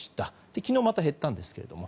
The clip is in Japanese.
昨日また減ったんですがね。